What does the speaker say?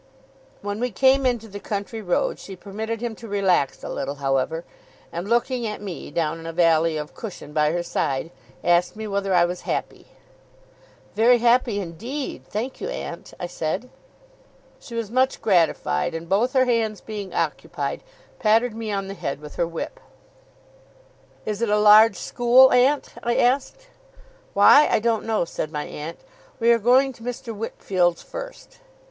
When we came into the country road, she permitted him to relax a little, however; and looking at me down in a valley of cushion by her side, asked me whether I was happy? 'Very happy indeed, thank you, aunt,' I said. She was much gratified; and both her hands being occupied, patted me on the head with her whip. 'Is it a large school, aunt?' I asked. 'Why, I don't know,' said my aunt. 'We are going to Mr. Wickfield's first.